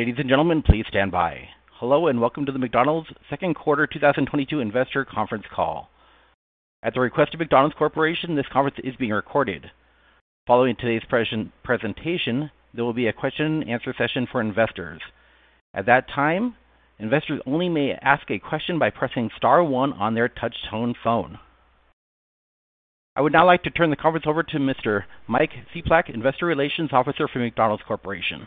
Ladies and gentlemen, please stand by. Hello, and welcome to the McDonald's Q2 2022 investor conference call. At the request of McDonald's Corporation, this conference is being recorded. Following today's presentation, there will be a Q&A for investors. At that time, investors only may ask a question by pressing star one on their touchtone phone. I would now like to turn the conference over to Mr. Mike Cieplak, Investor Relations Officer for McDonald's Corporation.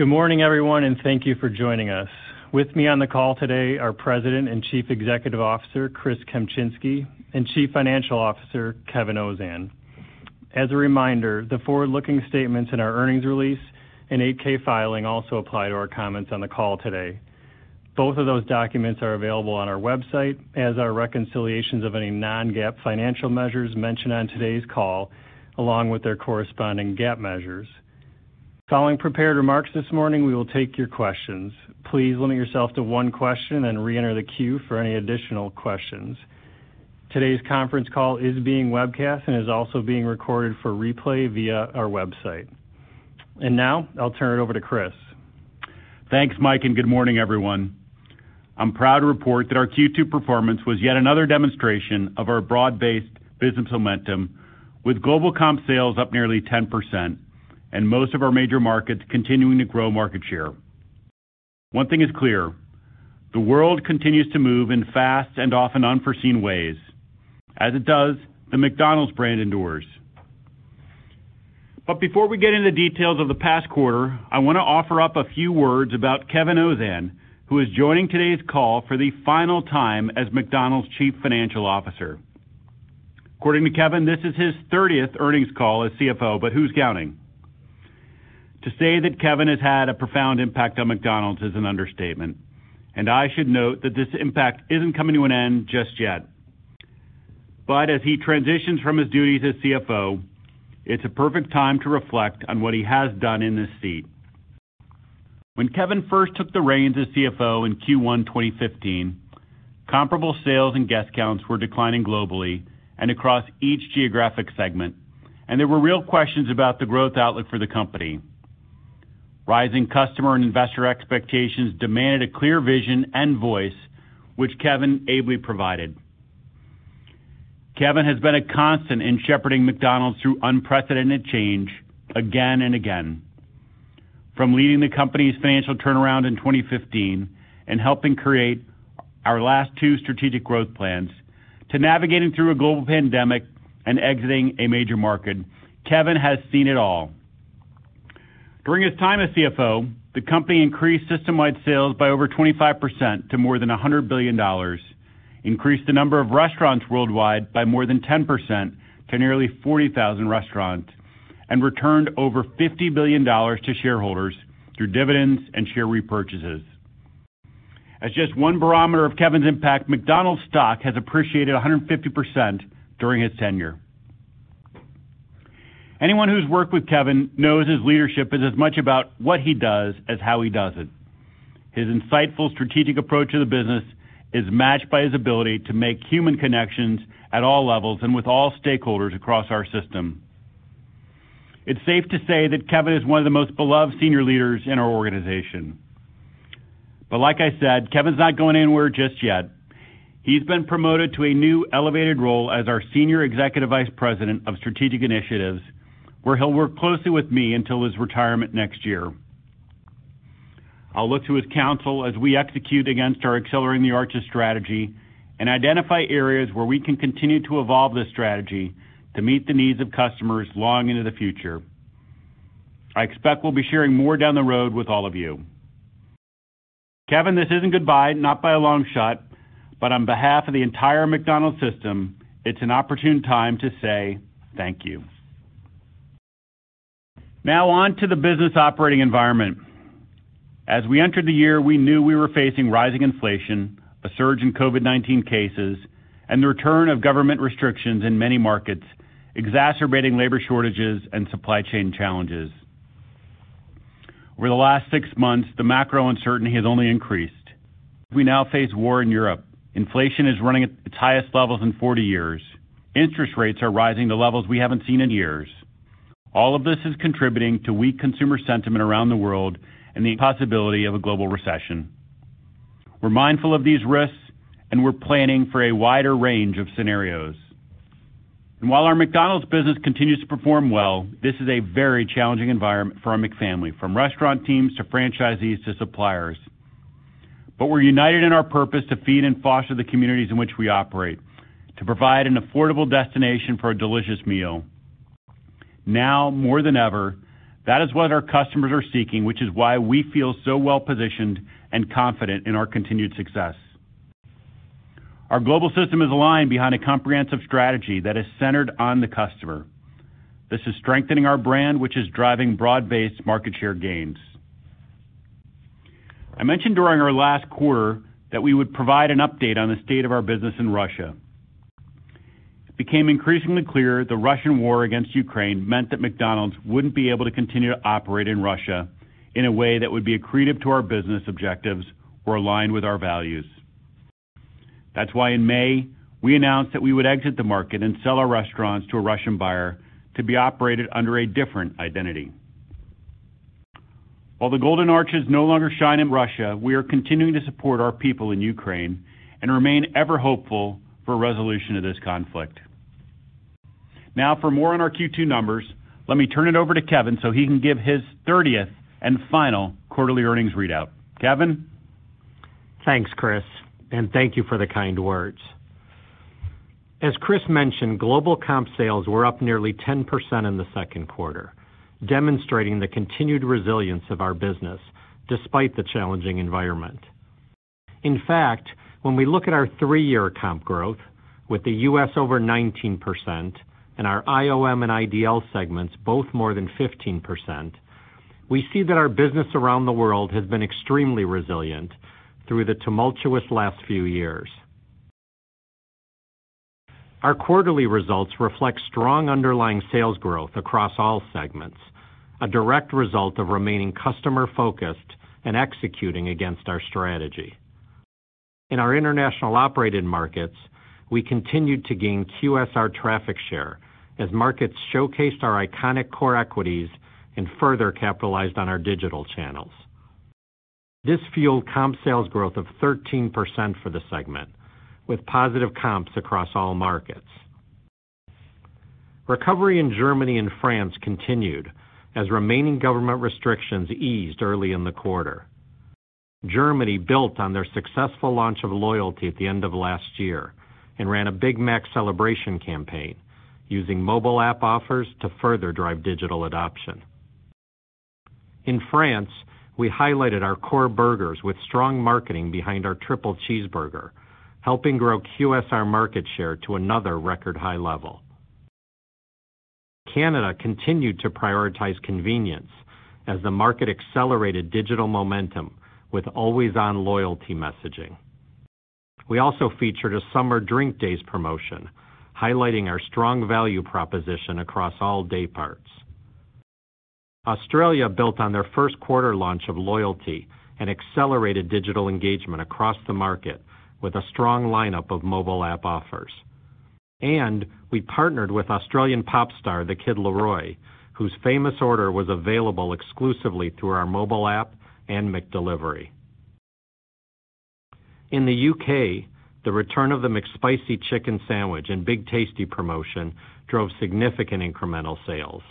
Good morning, everyone, and thank you for joining us. With me on the call today, our President and Chief Executive Officer, Chris Kempczinski, and Chief Financial Officer, Kevin Ozan. As a reminder, the forward-looking statements in our earnings release and 8-K filing also apply to our comments on the call today. Both of those documents are available on our website as are reconciliations of any non-GAAP financial measures mentioned on today's call, along with their corresponding GAAP measures. Following prepared remarks this morning, we will take your questions. Please limit yourself to one question and reenter the queue for any additional questions. Today's conference call is being webcast and is also being recorded for replay via our website. Now I'll turn it over to Chris. Thanks, Mike, and good morning, everyone. I'm proud to report that our Q2 performance was yet another demonstration of our broad-based business momentum with global comp sales up nearly 10% and most of our major markets continuing to grow market share. One thing is clear, the world continues to move in fast and often unforeseen ways. As it does, the McDonald's brand endures. Before we get into details of the past quarter, I want to offer up a few words about Kevin Ozan, who is joining today's call for the final time as McDonald's Chief Financial Officer. According to Kevin, this is his 30th earnings call as CFO, but who's counting? To say that Kevin has had a profound impact on McDonald's is an understatement, and I should note that this impact isn't coming to an end just yet. As he transitions from his duties as CFO, it's a perfect time to reflect on what he has done in this seat. When Kevin first took the reins as CFO in Q1 2015, comparable sales and guest counts were declining globally and across each geographic segment, and there were real questions about the growth outlook for the company. Rising customer and investor expectations demanded a clear vision and voice, which Kevin ably provided. Kevin has been a constant in shepherding McDonald's through unprecedented change again and again. From leading the company's financial turnaround in 2015 and helping create our last two strategic growth plans to navigating through a global pandemic and exiting a major market, Kevin has seen it all. During his time as CFO, the company increased system-wide sales by over 25% to more than $100 billion, increased the number of restaurants worldwide by more than 10% to nearly 40,000 restaurants, and returned over $50 billion to shareholders through dividends and share repurchases. As just one barometer of Kevin's impact, McDonald's stock has appreciated 150% during his tenure. Anyone who's worked with Kevin knows his leadership is as much about what he does as how he does it. His insightful strategic approach to the business is matched by his ability to make human connections at all levels and with all stakeholders across our system. It's safe to say that Kevin is one of the most beloved senior leaders in our organization. Like I said, Kevin's not going anywhere just yet. He's been promoted to a new elevated role as our Senior Executive Vice President of Strategic Initiatives, where he'll work closely with me until his retirement next year. I'll look to his counsel as we execute against our Accelerating the Arches strategy and identify areas where we can continue to evolve this strategy to meet the needs of customers long into the future. I expect we'll be sharing more down the road with all of you. Kevin, this isn't goodbye, not by a long shot, but on behalf of the entire McDonald's system, it's an opportune time to say thank you. Now on to the business operating environment. As we entered the year, we knew we were facing rising inflation, a surge in COVID-19 cases, and the return of government restrictions in many markets, exacerbating labor shortages and supply chain challenges. Over the last 6 months, the macro uncertainty has only increased. We now face war in Europe. Inflation is running at its highest levels in forty years. Interest rates are rising to levels we haven't seen in years. All of this is contributing to weak consumer sentiment around the world and the possibility of a global recession. We're mindful of these risks, and we're planning for a wider range of scenarios. While our McDonald's business continues to perform well, this is a very challenging environment for our McFamily, from restaurant teams to franchisees to suppliers. We're united in our purpose to feed and foster the communities in which we operate, to provide an affordable destination for a delicious meal. Now more than ever, that is what our customers are seeking, which is why we feel so well positioned and confident in our continued success. Our global system is aligned behind a comprehensive strategy that is centered on the customer. This is strengthening our brand, which is driving broad-based market share gains. I mentioned during our last quarter that we would provide an update on the state of our business in Russia. It became increasingly clear the Russian war against Ukraine meant that McDonald's wouldn't be able to continue to operate in Russia in a way that would be accretive to our business objectives or aligned with our values. That's why in May, we announced that we would exit the market and sell our restaurants to a Russian buyer to be operated under a different identity. While the golden arches no longer shine in Russia, we are continuing to support our people in Ukraine and remain ever hopeful for a resolution to this conflict. Now for more on our Q2 numbers, let me turn it over to Kevin so he can give his thirtieth and final quarterly earnings readout. Kevin. Thanks, Chris, and thank you for the kind words. As Chris mentioned, global comp sales were up nearly 10% in the Q2, demonstrating the continued resilience of our business despite the challenging environment. In fact, when we look at our 3-year comp growth in the U.S. over 19% and our IOM and IDL segments both more than 15%, we see that our business around the world has been extremely resilient through the tumultuous last few years. Our quarterly results reflect strong underlying sales growth across all segments, a direct result of remaining customer-focused and executing against our strategy. In our international operated markets, we continued to gain QSR traffic share as markets showcased our iconic core equities and further capitalized on our digital channels. This fueled comp sales growth of 13% for the segment, with positive comps across all markets. Recovery in Germany and France continued as remaining government restrictions eased early in the quarter. Germany built on their successful launch of loyalty at the end of last year and ran a Big Mac celebration campaign using mobile app offers to further drive digital adoption. In France, we highlighted our core burgers with strong marketing behind our Triple Cheeseburger, helping grow QSR market share to another record high level. Canada continued to prioritize convenience as the market accelerated digital momentum with always-on loyalty messaging. We also featured a Summer Drink Days promotion, highlighting our strong value proposition across all day parts. Australia built on their Q1 launch of loyalty and accelerated digital engagement across the market with a strong lineup of mobile app offers. We partnered with Australian pop star The Kid LAROI, whose famous order was available exclusively through our mobile app and McDelivery. In the U.K., the return of the McSpicy chicken sandwich and Big Tasty promotion drove significant incremental sales.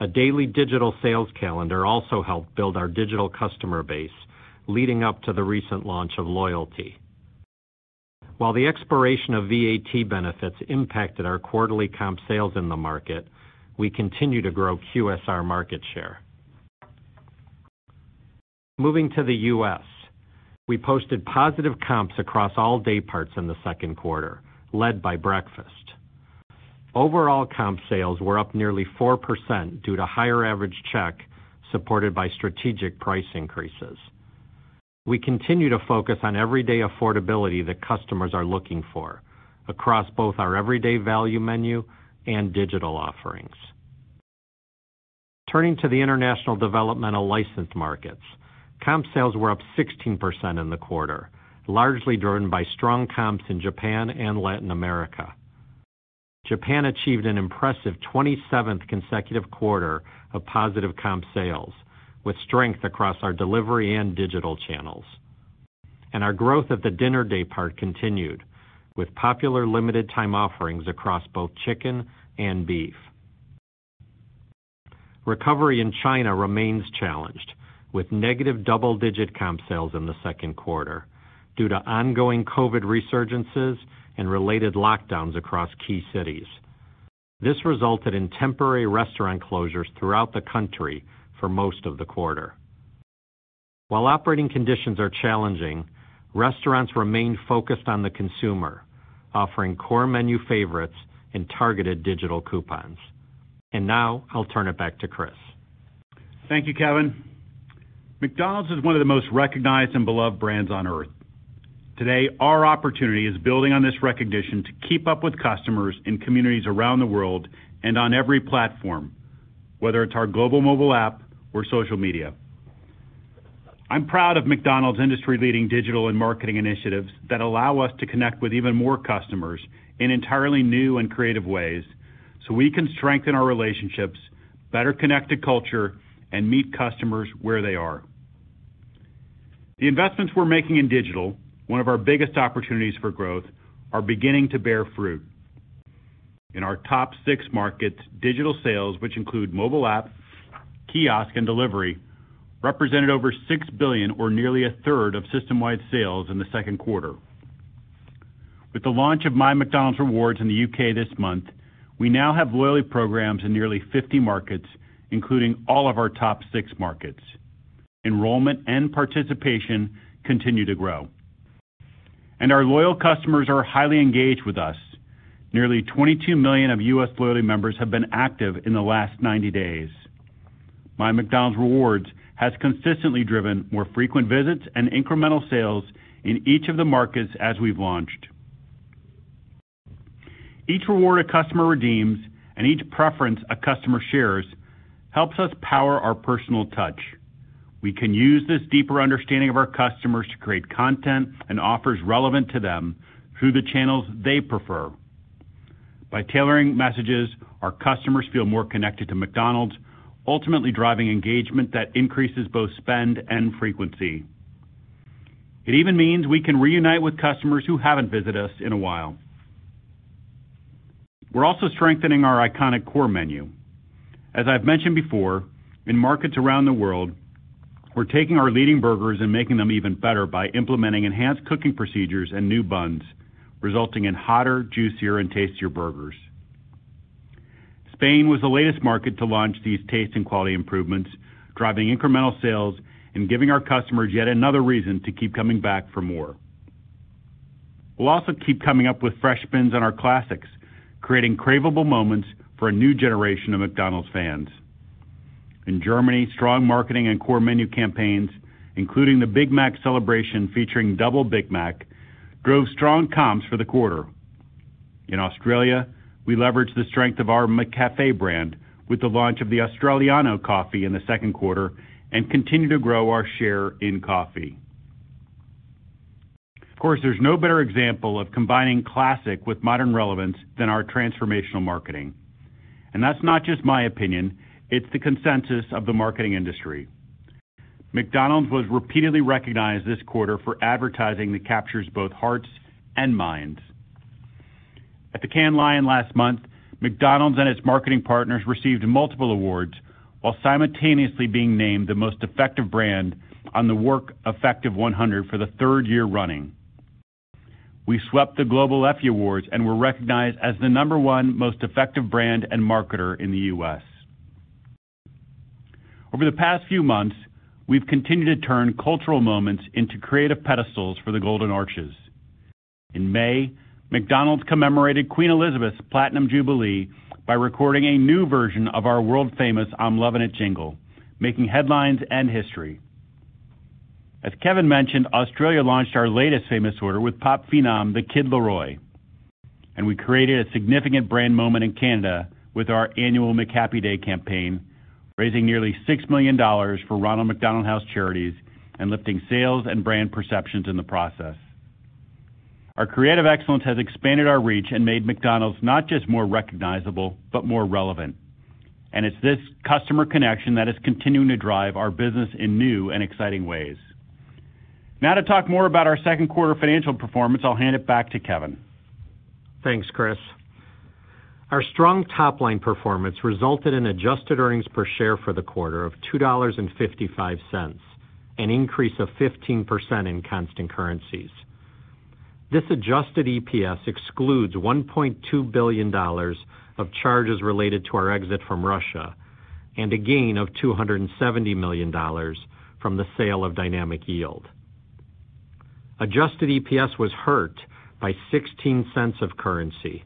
A daily digital sales calendar also helped build our digital customer base leading up to the recent launch of loyalty. While the expiration of VAT benefits impacted our quarterly comp sales in the market, we continue to grow QSR market share. Moving to the U.S., we posted positive comps across all day parts in the Q2, led by breakfast. Overall comp sales were up nearly 4% due to higher average check, supported by strategic price increases. We continue to focus on everyday affordability that customers are looking for across both our everyday value menu and digital offerings. Turning to the international developmental licensed markets, comp sales were up 16% in the quarter, largely driven by strong comps in Japan and Latin America. Japan achieved an impressive 27th consecutive quarter of positive comp sales with strength across our delivery and digital channels. Our growth at the dinner daypart continued with popular limited time offerings across both chicken and beef. Recovery in China remains challenged with negative double-digit comp sales in the Q2 due to ongoing COVID resurgences and related lockdowns across key cities. This resulted in temporary restaurant closures throughout the country for most of the quarter. While operating conditions are challenging, restaurants remain focused on the consumer, offering core menu favorites and targeted digital coupons. Now I'll turn it back to Chris. Thank you, Kevin. McDonald's is one of the most recognized and beloved brands on Earth. Today, our opportunity is building on this recognition to keep up with customers in communities around the world and on every platform, whether it's our global mobile app or social media. I'm proud of McDonald's industry-leading digital and marketing initiatives that allow us to connect with even more customers in entirely new and creative ways so we can strengthen our relationships, better connect to culture and meet customers where they are. The investments we're making in digital, one of our biggest opportunities for growth, are beginning to bear fruit. In our top 6 markets, digital sales, which include mobile app, kiosk, and delivery, represented over $6 billion or nearly a third of system-wide sales in the Q2. With the launch of My McDonald's Rewards in the U.K. this month, we now have loyalty programs in nearly 50 markets, including all of our top 6 markets. Enrollment and participation continue to grow. Our loyal customers are highly engaged with us. Nearly 22 million of U.S. loyalty members have been active in the last 90 days. My McDonald's Rewards has consistently driven more frequent visits and incremental sales in each of the markets as we've launched. Each reward a customer redeems and each preference a customer shares helps us power our personal touch. We can use this deeper understanding of our customers to create content and offers relevant to them through the channels they prefer. By tailoring messages, our customers feel more connected to McDonald's, ultimately driving engagement that increases both spend and frequency. It even means we can reunite with customers who haven't visited us in a while. We're also strengthening our iconic core menu. As I've mentioned before, in markets around the world, we're taking our leading burgers and making them even better by implementing enhanced cooking procedures and new buns, resulting in hotter, juicier and tastier burgers. Spain was the latest market to launch these taste and quality improvements, driving incremental sales and giving our customers yet another reason to keep coming back for more. We'll also keep coming up with fresh spins on our classics, creating craveable moments for a new generation of McDonald's fans. In Germany, strong marketing and core menu campaigns, including the Big Mac celebration featuring Double Big Mac, drove strong comps for the quarter. In Australia, we leveraged the strength of our McCafé brand with the launch of the Australiano coffee in the Q2 and continue to grow our share in coffee. Of course, there's no better example of combining classic with modern relevance than our transformational marketing. That's not just my opinion. It's the consensus of the marketing industry. McDonald's was repeatedly recognized this quarter for advertising that captures both hearts and minds. At the Cannes Lions last month, McDonald's and its marketing partners received multiple awards while simultaneously being named the most effective brand on the WARC Effective 100 for the third year running. We swept the Global Effie Awards and were recognized as the number one most effective brand and marketer in the U.S. Over the past few months, we've continued to turn cultural moments into creative pedestals for the Golden Arches. In May, McDonald's commemorated Queen Elizabeth's Platinum Jubilee by recording a new version of our world-famous I'm Lovin' It jingle, making headlines and history. As Kevin mentioned, Australia launched our latest famous order with pop phenom The Kid LAROI, and we created a significant brand moment in Canada with our annual McHappy Day campaign, raising nearly $6 million for Ronald McDonald House Charities and lifting sales and brand perceptions in the process. Our creative excellence has expanded our reach and made McDonald's not just more recognizable, but more relevant. It's this customer connection that is continuing to drive our business in new and exciting ways. Now to talk more about our Q2 financial performance, I'll hand it back to Kevin. Thanks, Chris. Our strong top-line performance resulted in adjusted earnings per share for the quarter of $2.55, an increase of 15% in constant currencies. This adjusted EPS excludes $1.2 billion of charges related to our exit from Russia, and a gain of $270 million from the sale of Dynamic Yield. Adjusted EPS was hurt by 16 cents of currency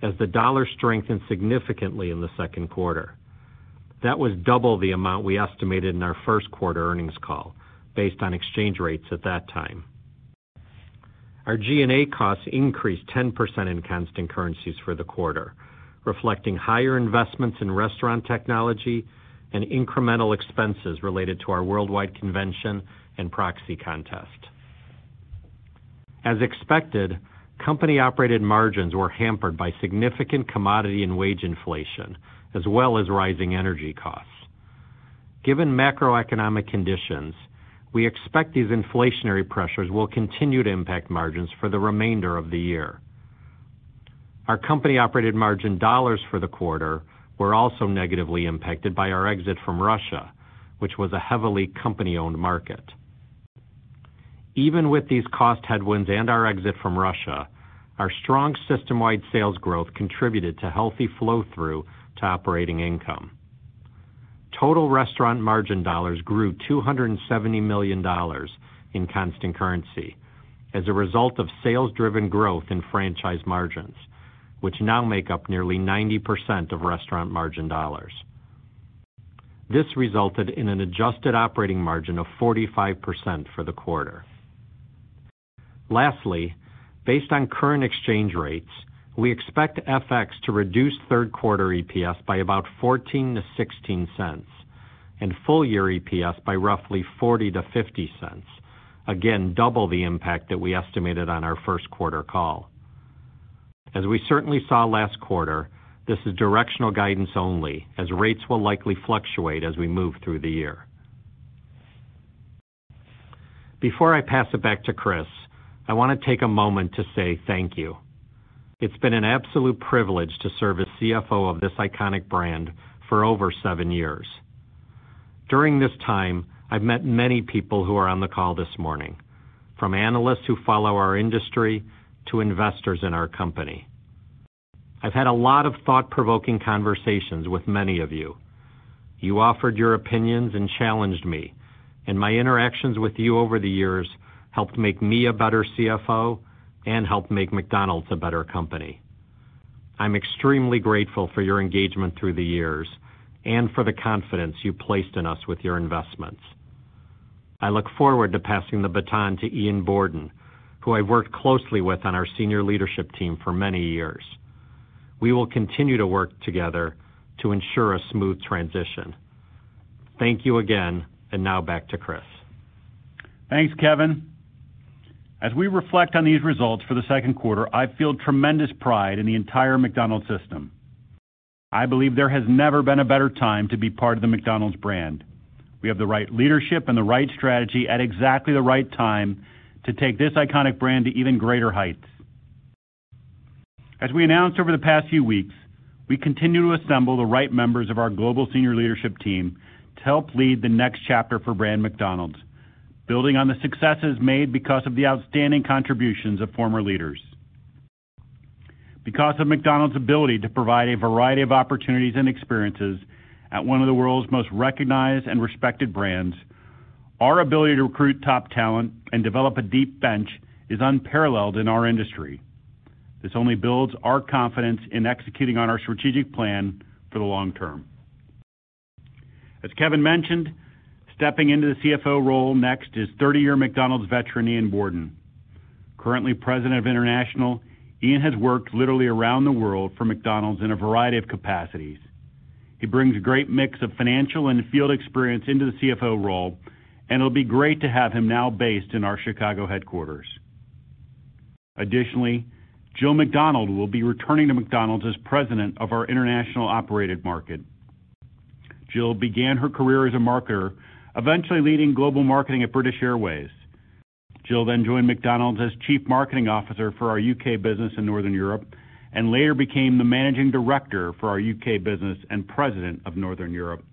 as the dollar strengthened significantly in the Q2. That was double the amount we estimated in our Q1 earnings call based on exchange rates at that time. Our G&A costs increased 10% in constant currencies for the quarter, reflecting higher investments in restaurant technology and incremental expenses related to our worldwide convention and proxy contest. As expected, company-operated margins were hampered by significant commodity and wage inflation, as well as rising energy costs. Given macroeconomic conditions, we expect these inflationary pressures will continue to impact margins for the remainder of the year. Our company-operated margin dollars for the quarter were also negatively impacted by our exit from Russia, which was a heavily company-owned market. Even with these cost headwinds and our exit from Russia, our strong system-wide sales growth contributed to healthy flow through to operating income. Total restaurant margin dollars grew $270 million in constant currency as a result of sales-driven growth in franchise margins, which now make up nearly 90% of restaurant margin dollars. This resulted in an adjusted operating margin of 45% for the quarter. Lastly, based on current exchange rates, we expect FX to reduce Q3 EPS by about $0.14-$0.16 and full year EPS by roughly $0.40-$0.50. Again, double the impact that we estimated on our Q1 call. As we certainly saw last quarter, this is directional guidance only as rates will likely fluctuate as we move through the year. Before I pass it back to Chris, I want to take a moment to say thank you. It's been an absolute privilege to serve as CFO of this iconic brand for over 7 years. During this time, I've met many people who are on the call this morning, from analysts who follow our industry to investors in our company. I've had a lot of thought-provoking conversations with many of you. You offered your opinions and challenged me, and my interactions with you over the years helped make me a better CFO and helped make McDonald's a better company. I'm extremely grateful for your engagement through the years and for the confidence you placed in us with your investments. I look forward to passing the baton to Ian Borden, who I worked closely with on our senior leadership team for many years. We will continue to work together to ensure a smooth transition. Thank you again. Now back to Chris. Thanks, Kevin. As we reflect on these results for the Q2, I feel tremendous pride in the entire McDonald's system. I believe there has never been a better time to be part of the McDonald's brand. We have the right leadership and the right strategy at exactly the right time to take this iconic brand to even greater heights. As we announced over the past few weeks, we continue to assemble the right members of our global senior leadership team to help lead the next chapter for brand McDonald's, building on the successes made because of the outstanding contributions of former leaders. Because of McDonald's ability to provide a variety of opportunities and experiences at one of the world's most recognized and respected brands, our ability to recruit top talent and develop a deep bench is unparalleled in our industry. This only builds our confidence in executing on our strategic plan for the long term. As Kevin mentioned, stepping into the CFO role next is 30-year McDonald's veteran Ian Borden. Currently President of International, Ian has worked literally around the world for McDonald's in a variety of capacities. He brings a great mix of financial and field experience into the CFO role, and it'll be great to have him now based in our Chicago headquarters. Additionally, Jill McDonald will be returning to McDonald's as President of our International Operated Markets. Jill began her career as a marketer, eventually leading global marketing at British Airways. Jill then joined McDonald's as chief marketing officer for our U.K. business in Northern Europe, and later became the managing director for our U.K. business and President of Northern Europe.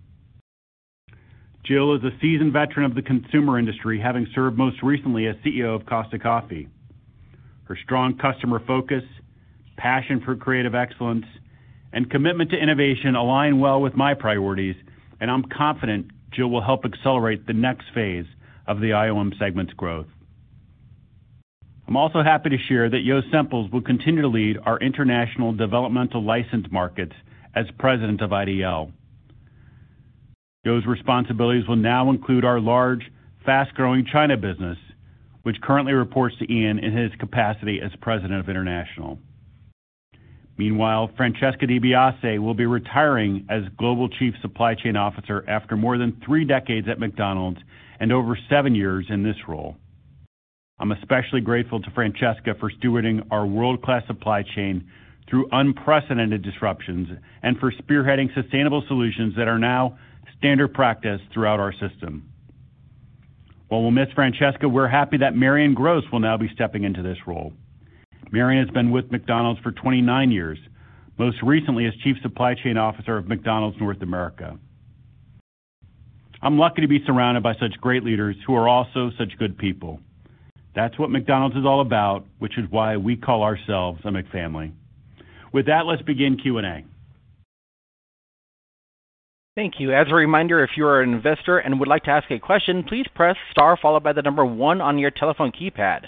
Jill is a seasoned veteran of the consumer industry, having served most recently as CEO of Costa Coffee. Her strong customer focus, passion for creative excellence, and commitment to innovation align well with my priorities, and I'm confident Jill will help accelerate the next phase of the IOM segment's growth. I'm also happy to share that Jo Sempels will continue to lead our International Developmental Licensed Markets as President of IDL. Jo's responsibilities will now include our large, fast-growing China business, which currently reports to Ian in his capacity as President of International. Meanwhile, Francesca DeBiase will be retiring as Global Chief Supply Chain Officer after more than 3 decades at McDonald's and over 7 years in this role. I'm especially grateful to Francesca for stewarding our world-class supply chain through unprecedented disruptions and for spearheading sustainable solutions that are now standard practice throughout our system. While we'll miss Francesca, we're happy that Marion Gross will now be stepping into this role. Marion has been with McDonald's for 29 years, most recently as chief supply chain officer of McDonald's North America. I'm lucky to be surrounded by such great leaders who are also such good people. That's what McDonald's is all about, which is why we call ourselves a McFamily. With that, let's begin Q&A. Thank you. As a reminder, if you are an investor and would like to ask a question, please press Star followed by the number one on your telephone keypad.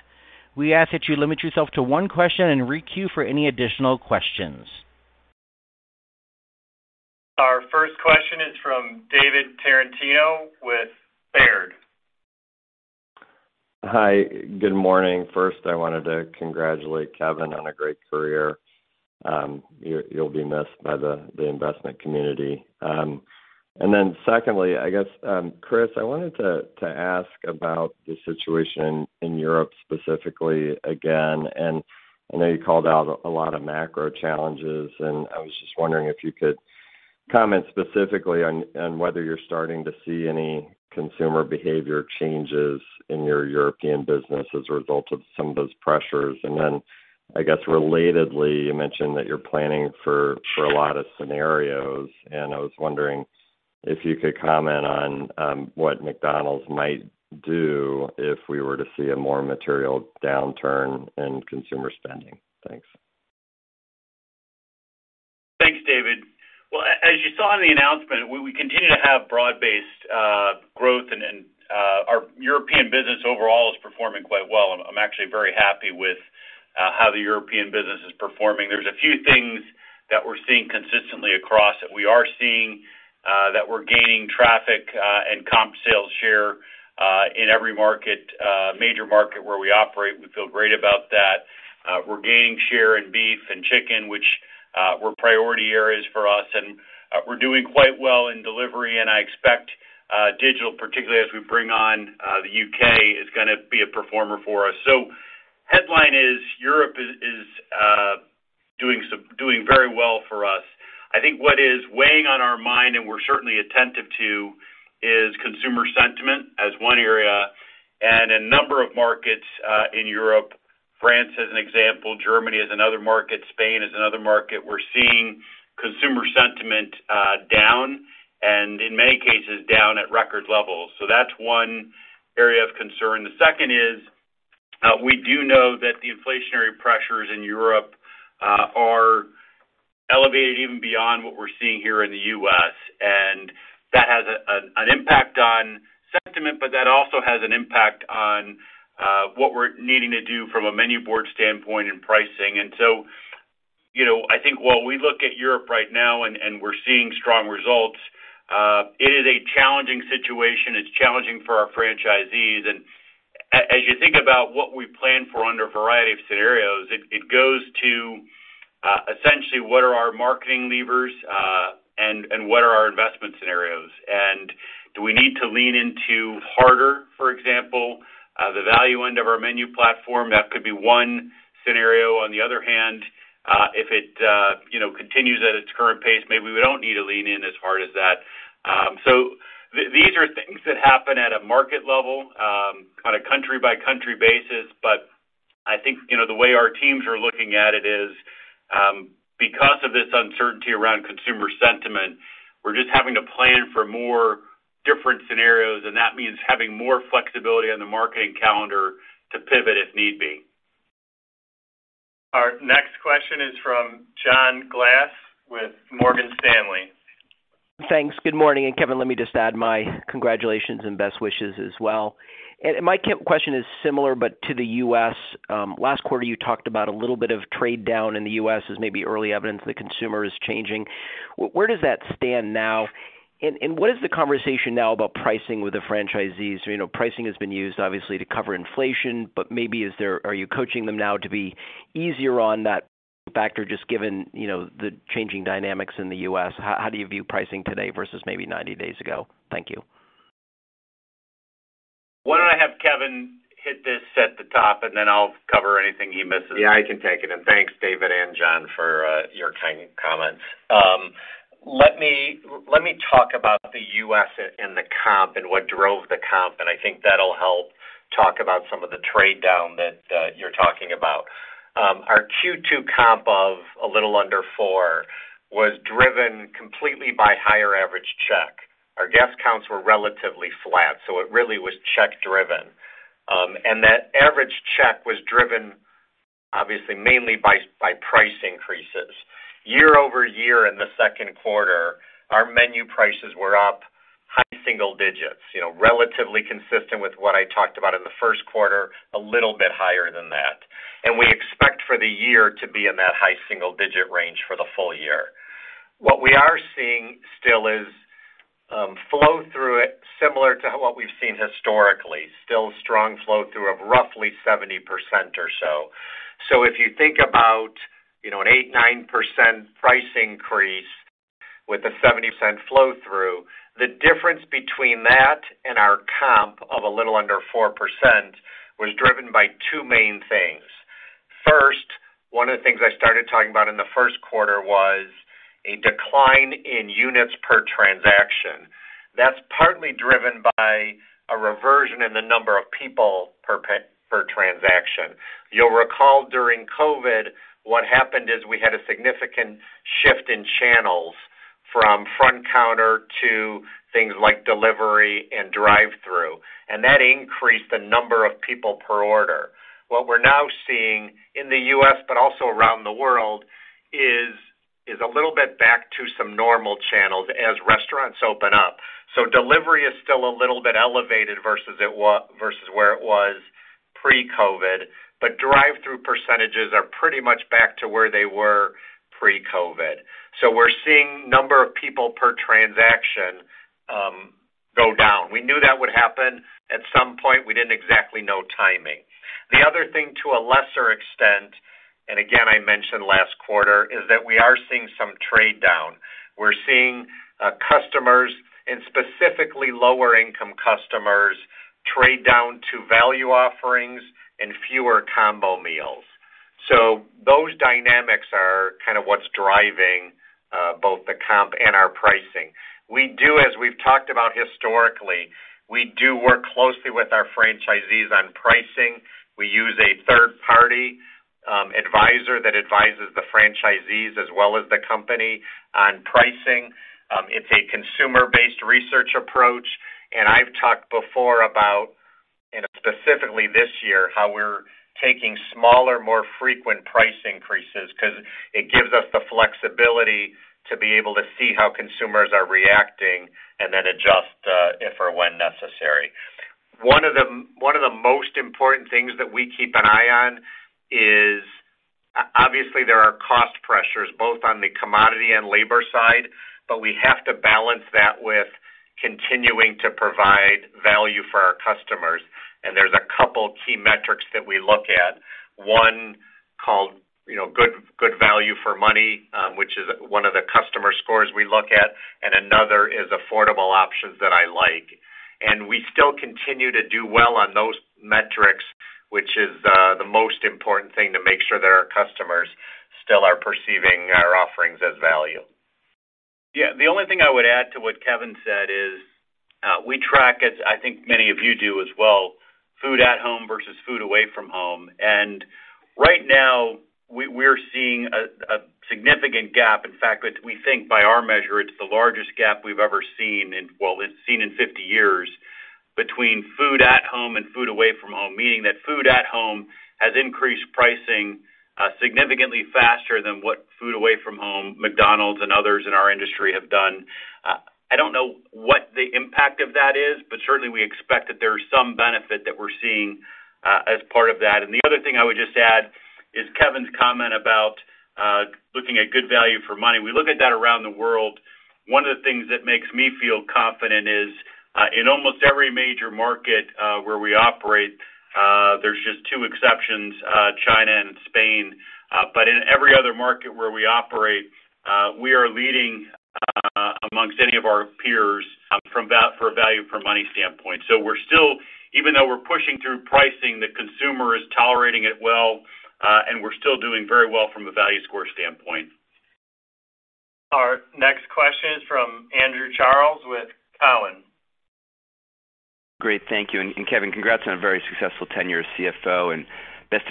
We ask that you limit yourself to one question and re-queue for any additional questions. Our first question is from David Tarantino with Baird. Hi. Good morning. First, I wanted to congratulate Kevin on a great career. You'll be missed by the investment community. Secondly, I guess, Chris, I wanted to ask about the situation in Europe specifically again, and I know you called out a lot of macro challenges, and I was just wondering if you could comment specifically on whether you're starting to see any consumer behavior changes in your European business as a result of some of those pressures. Then, I guess relatedly, you mentioned that you're planning for a lot of scenarios, and I was wondering if you could comment on what McDonald's might do if we were to see a more material downturn in consumer spending. Thanks. Thanks, David. Well, as you saw in the announcement, we continue to have broad-based growth and our European business overall is performing quite well. I'm actually very happy with how the European business is performing. There's a few things that we're seeing consistently across, that we're gaining traffic and comp sales share in every major market where we operate. We feel great about that. We're gaining share in beef and chicken, which were priority areas for us. We're doing quite well in delivery, and I expect digital, particularly as we bring on the U.K., is gonna be a performer for us. Headline is, Europe is doing very well for us. I think what is weighing on our mind, and we're certainly attentive to, is consumer sentiment as one area and a number of markets in Europe, France as an example, Germany is another market, Spain is another market. We're seeing consumer sentiment down, and in many cases down at record levels. That's one area of concern. The second is, we do know that the inflationary pressures in Europe are elevated even beyond what we're seeing here in the U.S. That has an impact on sentiment, but that also has an impact on what we're needing to do from a menu board standpoint and pricing. You know, I think while we look at Europe right now and we're seeing strong results, it is a challenging situation. It's challenging for our franchisees. As you think about what we plan for under a variety of scenarios, it goes to essentially what are our marketing levers, and what are our investment scenarios. Do we need to lean into harder, for example, the value end of our menu platform? That could be one scenario. On the other hand, if it you know, continues at its current pace, maybe we don't need to lean in as hard as that. These are things that happen at a market level, on a country-by-country basis. I think you know, the way our teams are looking at it is, because of this uncertainty around consumer sentiment, we're just having to plan for more different scenarios, and that means having more flexibility on the marketing calendar to pivot if need be. Our next question is from John Glass with Morgan Stanley. Thanks. Good morning. Kevin, let me just add my congratulations and best wishes as well. My question is similar but to the U.S. Last quarter, you talked about a little bit of trade down in the U.S. as maybe early evidence the consumer is changing. Where does that stand now? And what is the conversation now about pricing with the franchisees? You know, pricing has been used obviously to cover inflation, but maybe are you coaching them now to be easier on that factor just given, you know, the changing dynamics in the U.S.? How do you view pricing today versus maybe 90 days ago? Thank you. Why don't I have Kevin hit this at the top, and then I'll cover anything he misses. Yeah, I can take it. Thanks, David and John for your kind comments. Let me talk about the U.S. and the comp and what drove the comp, and I think that'll help talk about some of the trade-down that you're talking about. Our Q2 comp of a little under 4% was driven completely by higher average check. Our guest counts were relatively flat, so it really was check driven. That average check was driven obviously mainly by price increases. Year-over-year in the Q2, our menu prices were up high single digits%, you know, relatively consistent with what I talked about in the Q1, a little bit higher than that. We expect for the year to be in that high single-digit range% for the full year. What we are seeing still is flow through similar to what we've seen historically, still strong flow through of roughly 70% or so. If you think about, you know, an 8%-9% price increase with a 70% flow through, the difference between that and our comp of a little under 4% was driven by two main things. First, one of the things I started talking about in the Q1 was a decline in units per transaction. That's partly driven by a reversion in the number of people per transaction. You'll recall during COVID, what happened is we had a significant shift in channels from front counter to things like delivery and drive-through, and that increased the number of people per order. What we're now seeing in the U.S., but also around the world, is a little bit back to some normal channels as restaurants open up. Delivery is still a little bit elevated versus where it was pre-COVID, but drive-through percentages are pretty much back to where they were pre-COVID. We're seeing number of people per transaction go down. We knew that would happen at some point. We didn't exactly know timing. The other thing to a lesser extent, and again, I mentioned last quarter, is that we are seeing some trade down. We're seeing customers and specifically lower income customers trade down to value offerings and fewer combo meals. Those dynamics are kind of what's driving both the comp and our pricing. We do, as we've talked about historically, we do work closely with our franchisees on pricing. We use a third-party advisor that advises the franchisees as well as the company on pricing. It's a consumer-based research approach, and I've talked before about, and specifically this year, how we're taking smaller, more frequent price increases 'cause it gives us the flexibility to be able to see how consumers are reacting and then adjust, if or when necessary. One of the most important things that we keep an eye on is obviously there are cost pressures both on the commodity and labor side, but we have to balance that with continuing to provide value for our customers. There's a couple key metrics that we look at. One called, you know, good value for money, which is one of the customer scores we look at, and another is affordable options that I like. We still continue to do well on those metrics, which is the most important thing to make sure that our customers still are perceiving our offerings as value. Yeah. The only thing I would add to what Kevin said is, we track, as I think many of you do as well, food at home versus food away from home. Right now, we're seeing a significant gap. In fact, we think by our measure, it's the largest gap we've ever seen in 50 years between food at home and food away from home, meaning that food at home has increased pricing significantly faster than what food away from home, McDonald's and others in our industry have done. I don't know what the imp- Certainly, we expect that there is some benefit that we're seeing, as part of that. The other thing I would just add is Kevin's comment about looking at good value for money. We look at that around the world. One of the things that makes me feel confident is in almost every major market where we operate, there's just two exceptions, China and Spain. But in every other market where we operate, we are leading amongst any of our peers from a value for money standpoint. We're still even though we're pushing through pricing, the consumer is tolerating it well, and we're still doing very well from a value score standpoint. Our next question is from Andrew Charles with Cowen. Great, thank you. And Kevin, congrats on a very successful tenure as CFO, and best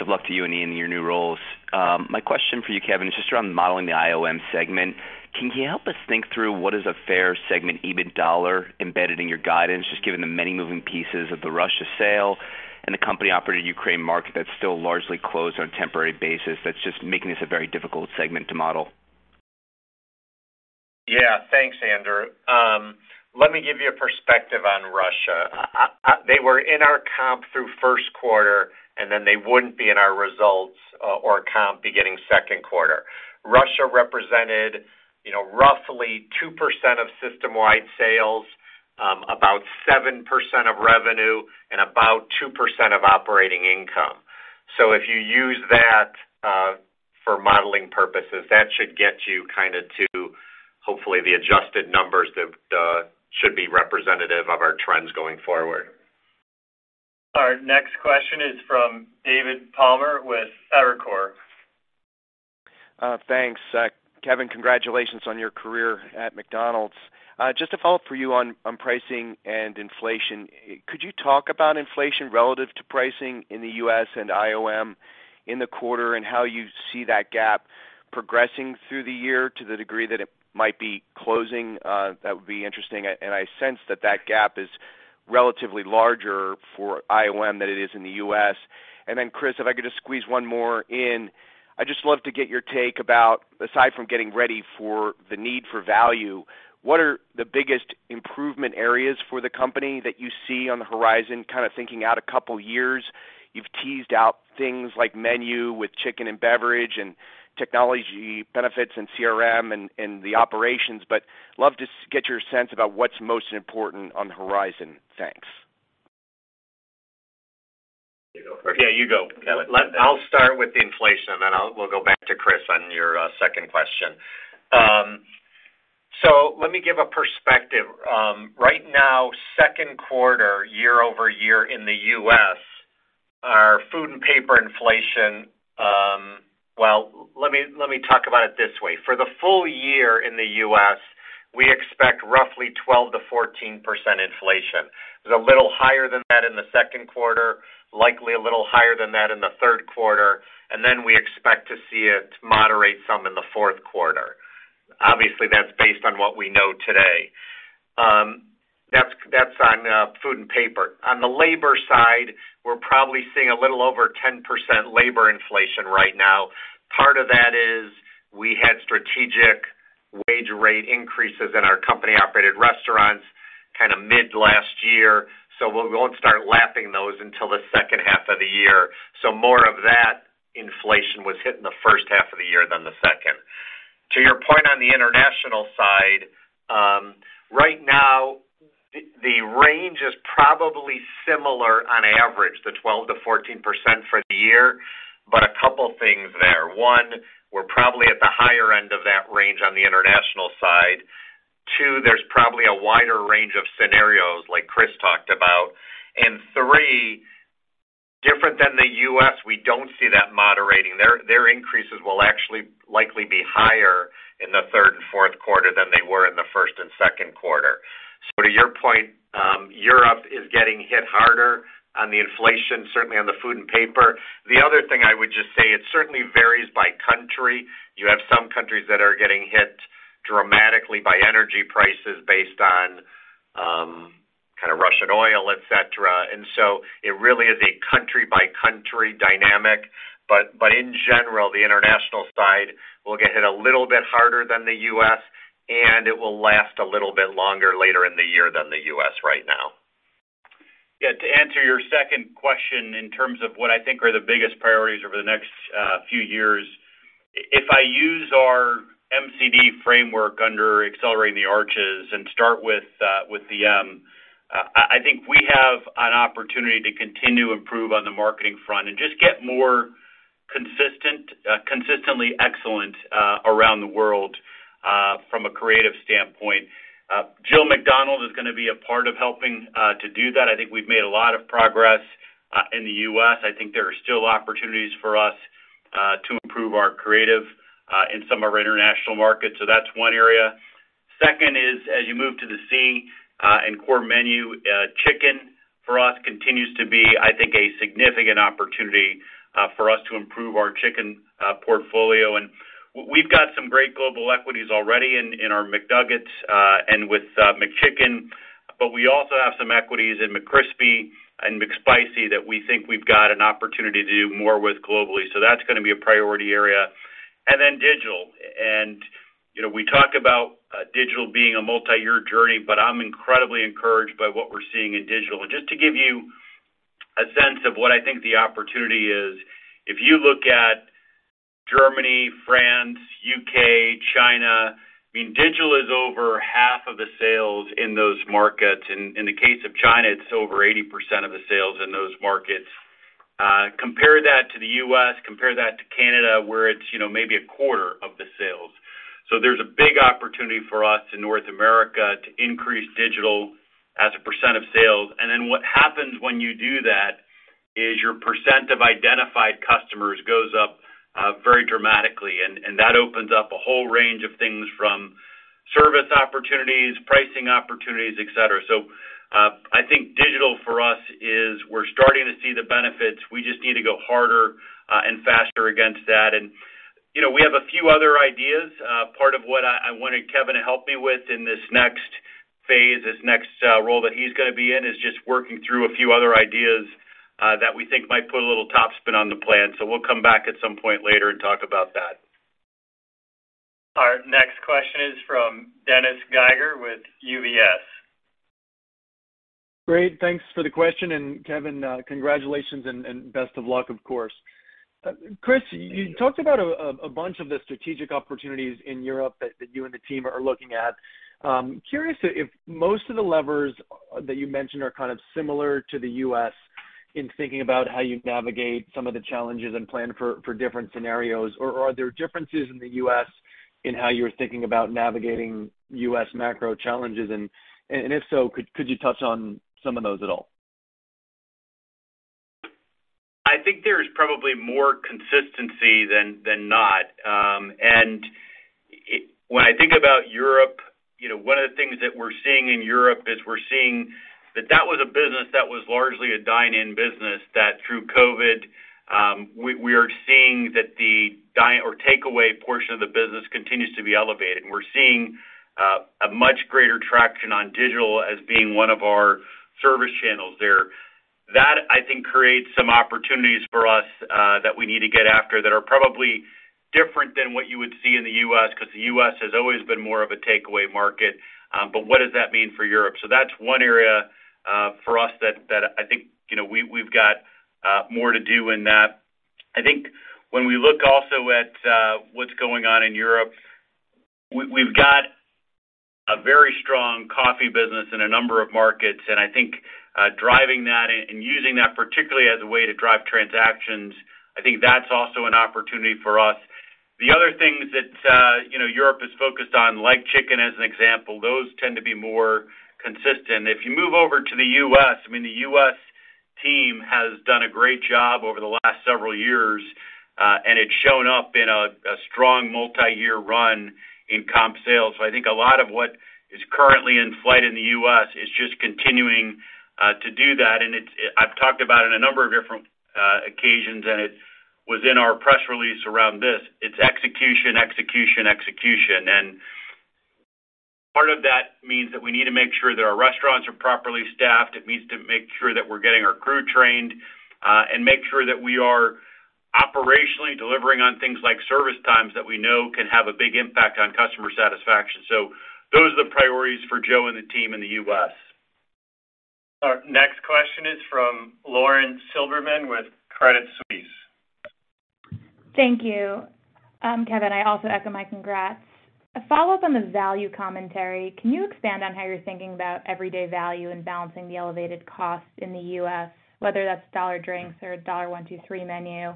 of luck to you and Ian in your new roles. My question for you, Kevin, is just around modeling the IOM segment. Can you help us think through what is a fair segment EBIT dollar embedded in your guidance, just given the many moving pieces of the Russia sale and the company-operated Ukraine market that's still largely closed on a temporary basis that's just making this a very difficult segment to model? Yeah. Thanks, Andrew. Let me give you a perspective on Russia. They were in our comp through Q1, and then they wouldn't be in our results or comp beginning Q2. Russia represented, you know, roughly 2% of system-wide sales, about 7% of revenue and about 2% of operating income. If you use that for modeling purposes, that should get you kind of to, hopefully, the adjusted numbers that should be representative of our trends going forward. Our next question is from David Palmer with Evercore. Thanks. Kevin, congratulations on your career at McDonald's. Just a follow-up for you on pricing and inflation. Could you talk about inflation relative to pricing in the U.S. And IOM in the quarter and how you see that gap progressing through the year to the degree that it might be closing? That would be interesting, and I sense that gap is relatively larger for IOM than it is in the U.S. Chris, if I could just squeeze one more in. I'd just love to get your take about, aside from getting ready for the need for value, what are the biggest improvement areas for the company that you see on the horizon, kind of thinking out a couple years? You've teased out things like menu with chicken and beverage and technology benefits and CRM and the operations, but love to get your sense about what's most important on the horizon. Thanks. Yeah, you go. I'll start with the inflation, and then we'll go back to Chris on your second question. Let me give a perspective. Right now, Q2 year-over-year in the U.S., our food and paper inflation. Well, let me talk about it this way. For the full year in the U.S., we expect roughly 12%-14% inflation. It's a little higher than that in the Q2, likely a little higher than that in the Q3, and then we expect to see it moderate some in the Q4. Obviously, that's based on what we know today. That's on food and paper. On the labor side, we're probably seeing a little over 10% labor inflation right now. Part of that is we had strategic wage rate increases in our company-operated restaurants kind of mid last year, so we won't start lapping those until the H2 of the year. More of that inflation was hit in the H1 of the year than the second. To your point on the international side, right now, the range is probably similar on average, the 12%-14% for the year, but a couple things there. One, we're probably at the higher end of that range on the international side. Two, there's probably a wider range of scenarios like Chris talked about. Three, different than the U.S., we don't see that moderating. Their increases will actually likely be higher in the third and Q4 than they were in the first and Q2. To your point, Europe is getting hit harder on the inflation, certainly on the food and paper. The other thing I would just say, it certainly varies by country. You have some countries that are getting hit dramatically by energy prices based on, kind of Russian oil, et cetera. It really is a country-by-country dynamic. In general, the international side will get hit a little bit harder than the U.S., and it will last a little bit longer later in the year than the U.S. right now. Yeah. To answer your second question in terms of what I think are the biggest priorities over the next few years, if I use our MCD framework under Accelerating the Arches and start with I think we have an opportunity to continue to improve on the marketing front and just get more consistent consistently excellent around the world from a creative standpoint. Jill McDonald is gonna be a part of helping to do that. I think we've made a lot of progress in the U.S. I think there are still opportunities for us to improve our creative in some of our international markets. That's one area. Second is, as you move to the C and core menu, chicken for us continues to be, I think, a significant opportunity for us to improve our chicken portfolio. We've got some great global equities already in our McNuggets and with McChicken. We also have some equities in McCrispy and McSpicy that we think we've got an opportunity to do more with globally. That's gonna be a priority area. Then digital. You know, we talk about digital being a multi-year journey, but I'm incredibly encouraged by what we're seeing in digital. Just to give you a sense of what I think the opportunity is, if you look at Germany, France, U.K., China, I mean, digital is over half of the sales in those markets. In the case of China, it's over 80% of the sales in those markets. Compare that to the U.S., compare that to Canada, where it's, you know, maybe a quarter of the sales. There's a big opportunity for us in North America to increase digital as a % of sales. What happens when you do that is your percent of identified customers goes up very dramatically, and that opens up a whole range of things from service opportunities, pricing opportunities, et cetera. I think digital for us is we're starting to see the benefits. We just need to go harder and faster against that. You know, we have a few other ideas. Part of what I wanted Kevin to help me with in this next phase, this next role that he's gonna be in, is just working through a few other ideas that we think might put a little top spin on the plan. We'll come back at some point later and talk about that. Our next question is from Dennis Geiger with UBS. Great. Thanks for the question, and Kevin, congratulations and best of luck, of course. Chris, you talked about a bunch of the strategic opportunities in Europe that you and the team are looking at. Curious if most of the levers that you mentioned are kind of similar to the U.S. in thinking about how you navigate some of the challenges and plan for different scenarios, or are there differences in the U.S. in how you're thinking about navigating U.S. macro challenges? If so, could you touch on some of those at all? I think there's probably more consistency than not. When I think about Europe, you know, one of the things that we're seeing in Europe is we're seeing that was a business that was largely a dine-in business that through COVID, we are seeing that the dine-in or takeaway portion of the business continues to be elevated. We're seeing a much greater traction on digital as being one of our service channels there. That, I think, creates some opportunities for us, that we need to get after that are probably different than what you would see in the U.S. because the U.S. has always been more of a takeaway market. What does that mean for Europe? That's one area for us that I think, you know, we've got more to do in that. I think when we look also at what's going on in Europe, we've got a very strong coffee business in a number of markets, and I think driving that and using that particularly as a way to drive transactions, I think that's also an opportunity for us. The other things that you know Europe is focused on, like chicken as an example, those tend to be more consistent. If you move over to the U.S., I mean, the U.S. team has done a great job over the last several years and it's shown up in a strong multiyear run in comp sales. I think a lot of what is currently in flight in the U.S. is just continuing to do that. I've talked about in a number of different occasions, and it was in our press release around this. It's execution, execution. Part of that means that we need to make sure that our restaurants are properly staffed. It means to make sure that we're getting our crew trained, and make sure that we are operationally delivering on things like service times that we know can have a big impact on customer satisfaction. Those are the priorities for Joe and the team in the U.S. Our next question is from Lauren Silberman with Credit Suisse. Thank you. Kevin, I also echo my congrats. A follow-up on the value commentary. Can you expand on how you're thinking about everyday value and balancing the elevated cost in the U.S., whether that's $1 drinks or a $1, $2, $3 menu?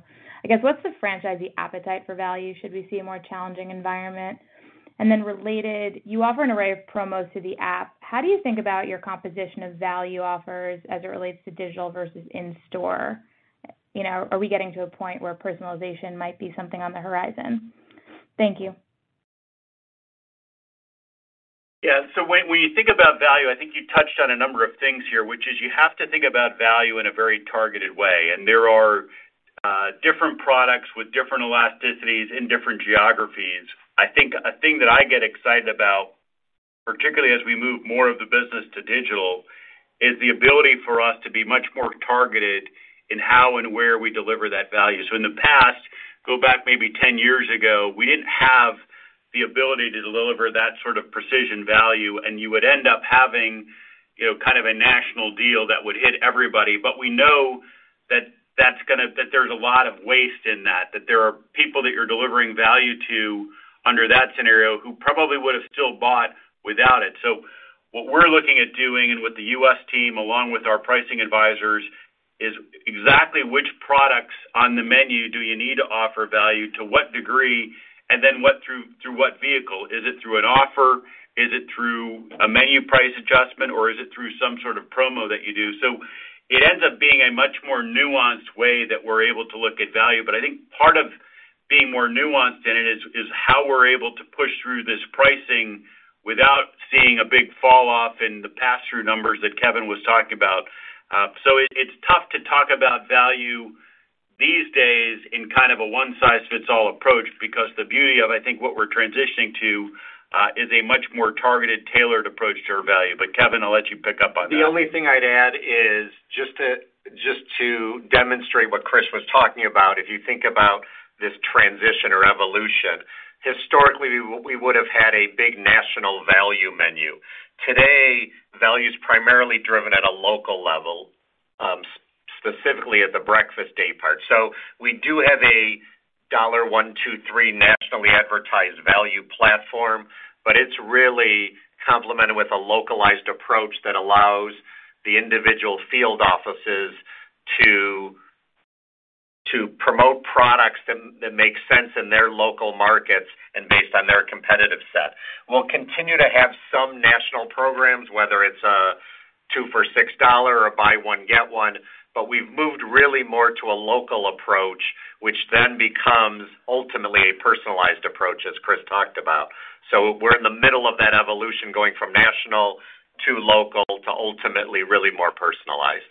I guess, what's the franchisee appetite for value should we see a more challenging environment? Related, you offer an array of promos through the app. How do you think about your composition of value offers as it relates to digital versus in-store? You know, are we getting to a point where personalization might be something on the horizon? Thank you. Yeah. When you think about value, I think you touched on a number of things here, which is you have to think about value in a very targeted way. There are different products with different elasticities in different geographies. I think a thing that I get excited about, particularly as we move more of the business to digital, is the ability for us to be much more targeted in how and where we deliver that value. In the past, go back maybe 10 years ago, we didn't have the ability to deliver that sort of precision value, and you would end up having, you know, kind of a national deal that would hit everybody. We know that there's a lot of waste in that there are people that you're delivering value to under that scenario who probably would have still bought without it. What we're looking at doing with the U.S. team, along with our pricing advisors, is exactly which products on the menu do you need to offer value, to what degree, and then through what vehicle? Is it through an offer? Is it through a menu price adjustment, or is it through some sort of promo that you do? It ends up being a much more nuanced way that we're able to look at value. I think part of being more nuanced in it is how we're able to push through this pricing without seeing a big fall off in the pass-through numbers that Kevin was talking about. It's tough to talk about value these days in kind of a one-size-fits-all approach because the beauty of, I think, what we're transitioning to, is a much more targeted, tailored approach to our value. Kevin, I'll let you pick up on that. The only thing I'd add is just to demonstrate what Chris was talking about, if you think about this transition or evolution, historically, we would have had a big national value menu. Today, value is primarily driven at a local level, specifically at the breakfast day part. We do have a $1, $2, $3 nationally advertised value platform, but it's really complemented with a localized approach that allows the individual field offices to promote products that make sense in their local markets and based on their competitive set. We'll continue to have some national programs, whether it's a 2 for $6 or buy one get one, but we've moved really more to a local approach, which then becomes ultimately a personalized approach, as Chris talked about. We're in the middle of that evolution, going from national to local to ultimately really more personalized.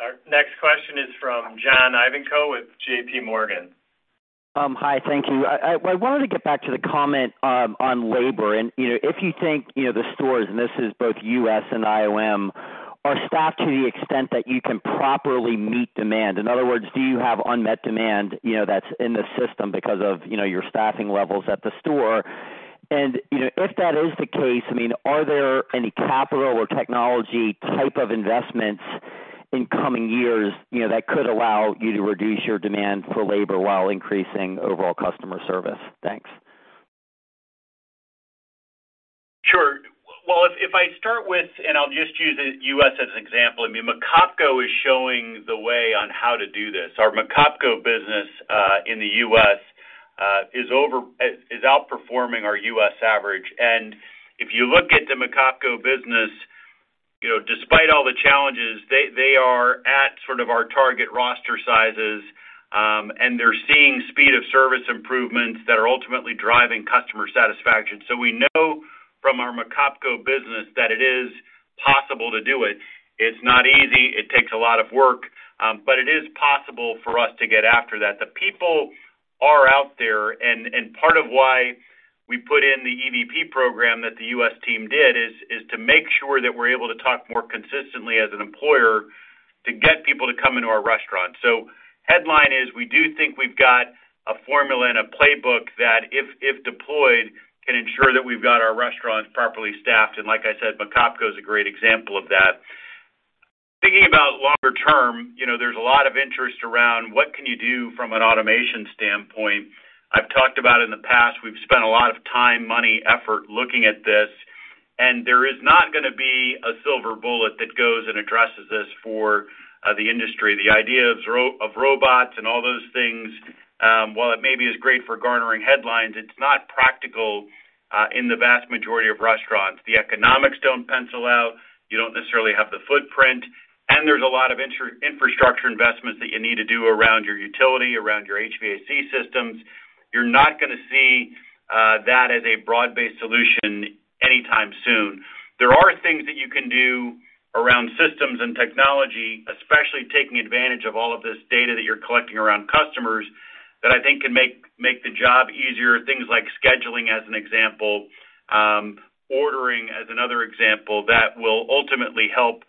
Our next question is from John Ivankoe with JPMorgan. Hi. Thank you. I wanted to get back to the comment on labor. You know, if you think the stores, and this is both U.S. and IOM, are staffed to the extent that you can properly meet demand. In other words, do you have unmet demand that's in the system because of your staffing levels at the store? You know, if that is the case, I mean, are there any capital or technology type of investments in coming years that could allow you to reduce your demand for labor while increasing overall customer service? Thanks. Sure. Well, if I start with and I'll just use U.S. as an example, I mean, McOpCo is showing the way on how to do this. Our McOpCo business in the U.S. is outperforming our U.S. average. If you look at the McOpCo business, you know, despite all the challenges, they are at sort of our target roster sizes, and they're seeing speed of service improvements that are ultimately driving customer satisfaction. We know from our McOpCo business that it is possible to do it. It's not easy. It takes a lot of work, but it is possible for us to get after that. The people are out there, and part of why we put in the EVP program that the U.S. team did is to make sure that we're able to talk more consistently as an employer to get people to come into our restaurant. Headline is we do think we've got a formula and a playbook that, if deployed, can ensure that we've got our restaurants properly staffed. Like I said, McOpCo is a great example of that. Thinking about longer term, you know, there's a lot of interest around what can you do from an automation standpoint. I've talked about in the past, we've spent a lot of time, money, effort looking at this, and there is not gonna be a silver bullet that goes and addresses this for the industry. The idea of robots and all those things, while it may be great for garnering headlines, it's not practical in the vast majority of restaurants. The economics don't pencil out. You don't necessarily have the footprint, and there's a lot of infrastructure investments that you need to do around your utility, around your HVAC systems. You're not gonna see that as a broad-based solution anytime soon. There are things that you can do around systems and technology, especially taking advantage of all of this data that you're collecting around customers that I think can make the job easier. Things like scheduling as an example, ordering as another example that will ultimately help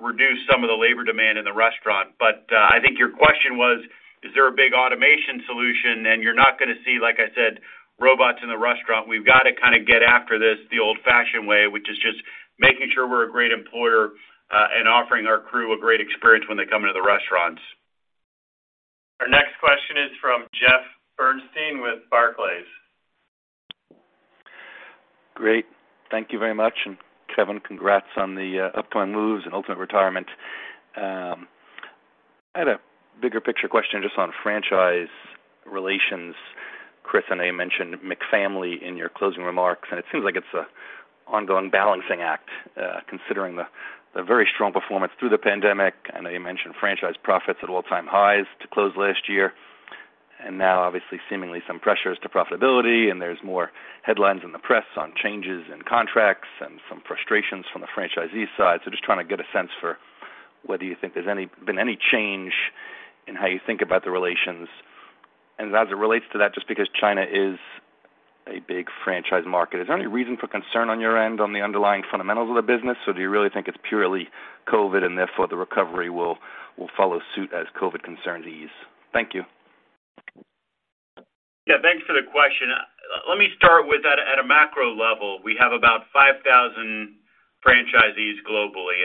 reduce some of the labor demand in the restaurant. I think your question was, is there a big automation solution? You're not gonna see, like I said, robots in the restaurant. We've got to kinda get after this the old-fashioned way, which is just making sure we're a great employer, and offering our crew a great experience when they come into the restaurants. Our next question is from Jeff Bernstein with Barclays. Great. Thank you very much. Kevin, congrats on the upcoming moves and ultimate retirement. I had a bigger picture question just on franchise relations. Chris, I know you mentioned McFamily in your closing remarks, and it seems like it's an ongoing balancing act, considering the very strong performance through the pandemic. I know you mentioned franchise profits at all-time highs to close last year. Now, obviously, seemingly some pressures to profitability. There's more headlines in the press on changes in contracts and some frustrations from the franchisee side. Just trying to get a sense for whether you think there's any change in how you think about the relations. As it relates to that, just because China is a big franchise market, is there any reason for concern on your end on the underlying fundamentals of the business, or do you really think it's purely COVID, and therefore the recovery will follow suit as COVID concerns ease? Thank you. Yeah, thanks for the question. Let me start with at a macro level, we have about 5,000 franchisees globally.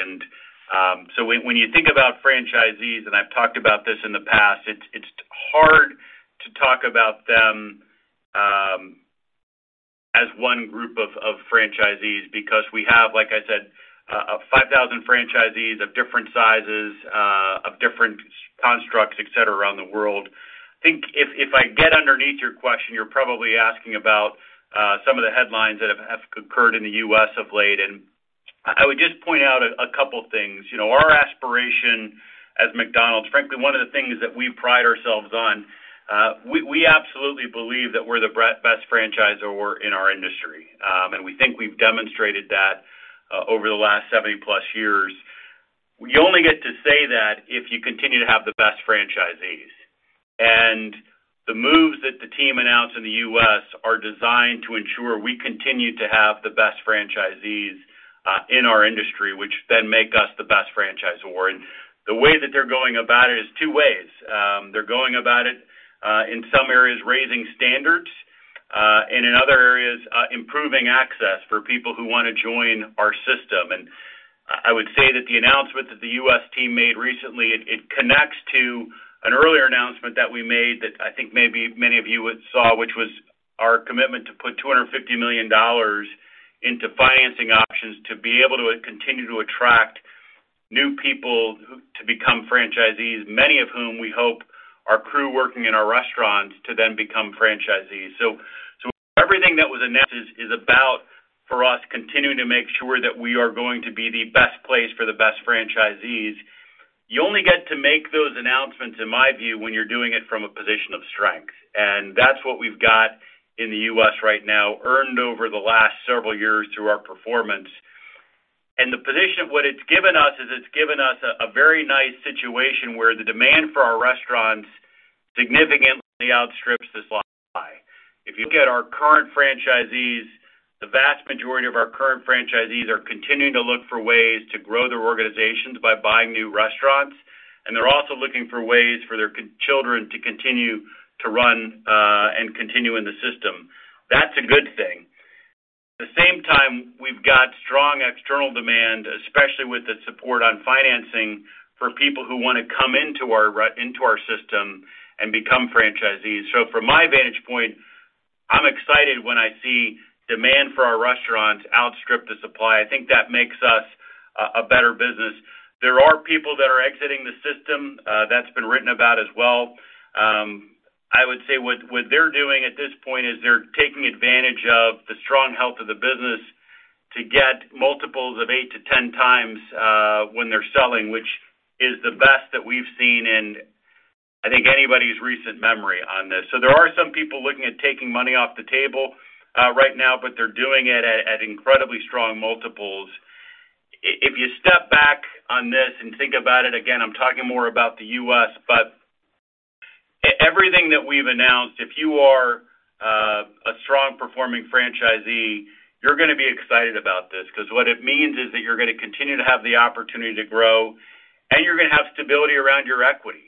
When you think about franchisees, and I've talked about this in the past, it's hard to talk about them as one group of franchisees because we have, like I said, 5,000 franchisees of different sizes of different constructs, et cetera, around the world. I think if I get underneath your question, you're probably asking about some of the headlines that have occurred in the U.S. of late. I would just point out a couple things. You know, our aspiration as McDonald's, frankly, one of the things that we pride ourselves on, we absolutely believe that we're the best franchisor in our industry. We think we've demonstrated that over the last 70-plus years. You only get to say that if you continue to have the best franchisees. The moves that the team announced in the U.S. are designed to ensure we continue to have the best franchisees in our industry, which then make us the best franchisor. The way that they're going about it is 2 ways. They're going about it, in some areas, raising standards, and in other areas, improving access for people who wanna join our system. I would say that the announcement that the US team made recently, it connects to an earlier announcement that we made that I think maybe many of you saw, which was our commitment to put $250 million into financing options to be able to continue to attract new people to become franchisees, many of whom we hope are crew working in our restaurants to then become franchisees. Everything that was announced is about, for us, continuing to make sure that we are going to be the best place for the best franchisees. You only get to make those announcements, in my view, when you're doing it from a position of strength, and that's what we've got in the US right now, earned over the last several years through our performance. The position... What it's given us is it's given us a very nice situation where the demand for our restaurants significantly outstrips the supply. If you look at our current franchisees, the vast majority of our current franchisees are continuing to look for ways to grow their organizations by buying new restaurants, and they're also looking for ways for their children to continue to run and continue in the system. That's a good thing. At the same time, we've got strong external demand, especially with the support on financing for people who wanna come into our system and become franchisees. From my vantage point, I'm excited when I see demand for our restaurants outstrip the supply. I think that makes us a better business. There are people that are exiting the system, that's been written about as well. I would say what they're doing at this point is they're taking advantage of the strong health of the business to get multiples of 8-10x when they're selling, which is the best that we've seen in, I think, anybody's recent memory on this. There are some people looking at taking money off the table right now, but they're doing it at incredibly strong multiples. If you step back on this and think about it, again, I'm talking more about the U.S., but everything that we've announced, if you are a strong performing franchisee, you're gonna be excited about this, 'cause what it means is that you're gonna continue to have the opportunity to grow, and you're gonna have stability around your equity.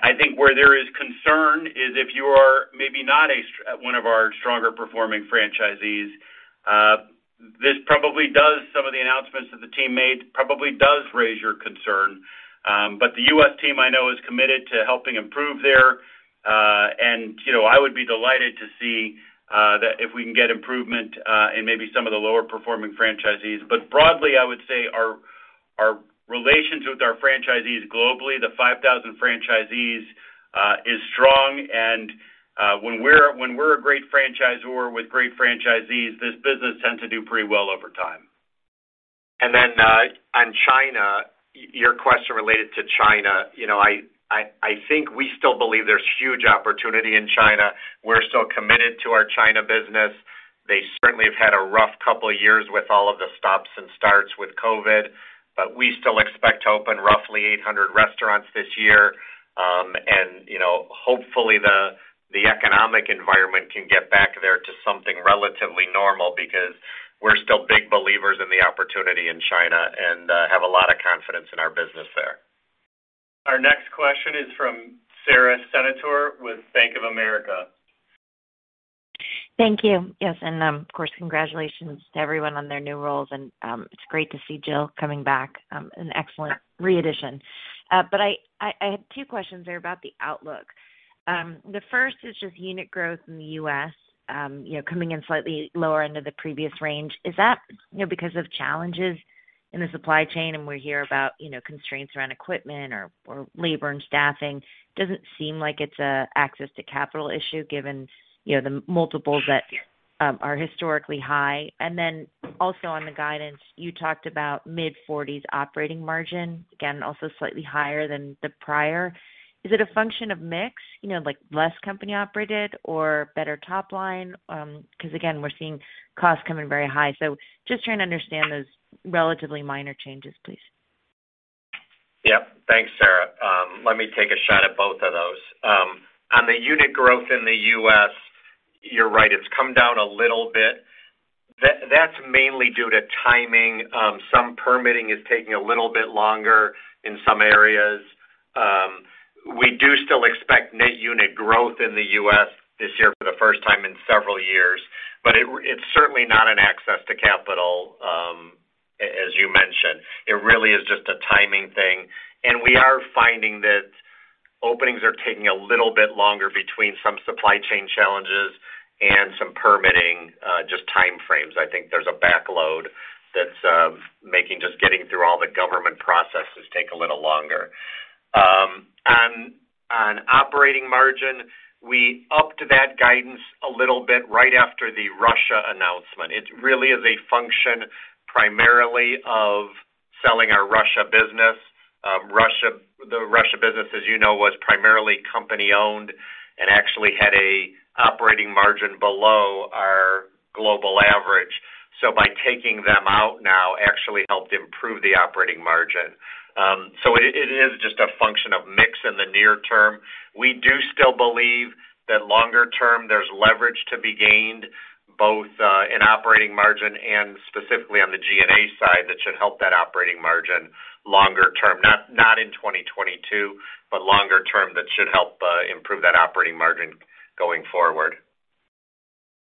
I think where there is concern is if you are maybe not one of our stronger performing franchisees, some of the announcements that the team made probably does raise your concern. The U.S. team I know is committed to helping improve there. You know, I would be delighted to see that if we can get improvement in maybe some of the lower performing franchisees. Broadly, I would say our relations with our franchisees globally, the 5,000 franchisees, is strong. When we're a great franchisor with great franchisees, this business tends to do pretty well over time. On China, your question related to China, you know, I think we still believe there's huge opportunity in China. We're still committed to our China business. They certainly have had a rough couple of years with all of the stops and starts with COVID, but we still expect to open roughly 800 restaurants this year. You know, hopefully, the economic environment can get back there to something relatively normal because we're still big believers in the opportunity in China and have a lot of confidence in our business there. Our next question is from Sara Senatore with Bank of America. Thank you. Yes, of course, congratulations to everyone on their new roles, and it's great to see Jill coming back, an excellent re-addition. I have two questions. They're about the outlook. The first is just unit growth in the U.S., you know, coming in slightly lower end of the previous range. Is that, you know, because of challenges in the supply chain, and we hear about, you know, constraints around equipment or labor and staffing? Doesn't seem like it's an access to capital issue given, you know, the multiples that are historically high. Then also on the guidance, you talked about mid-40s% operating margin, again, also slightly higher than the prior. Is it a function of mix, you know, like less company operated or better top line? 'Cause again, we're seeing costs coming very high. Just trying to understand those relatively minor changes, please. Yep. Thanks, Sara. Let me take a shot at both of those. On the unit growth in the U.S., you're right, it's come down a little bit. That's mainly due to timing. Some permitting is taking a little bit longer in some areas. We do still expect net unit growth in the U.S. this year for the first time in several years, but it's certainly not a lack of access to capital, as you mentioned. It really is just a timing thing. We are finding that openings are taking a little bit longer between some supply chain challenges and some permitting, just time frames. I think there's a backlog that's making just getting through all the government processes take a little longer. On operating margin, we upped that guidance a little bit right after the Russia announcement. It really is a function primarily of selling our Russia business. The Russia business, as you know, was primarily company-owned and actually had an operating margin below our global average. By taking them out. Actually helped improve the operating margin. It is just a function of mix in the near term. We do still believe that longer term, there's leverage to be gained both in operating margin and specifically on the G&A side that should help that operating margin longer term. Not in 2022, but longer term that should help improve that operating margin going forward.